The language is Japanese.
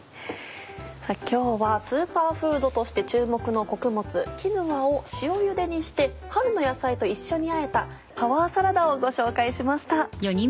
今日はスーパーフードとして注目の穀物キヌアを塩ゆでにして春の野菜と一緒にあえたパワーサラダをご紹介しました。